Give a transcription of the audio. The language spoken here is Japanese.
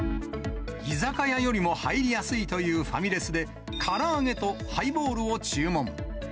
居酒屋よりも入りやすいというファミレスで、から揚げとハイボールを注文。